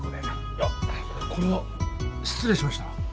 いやこれは失礼しました。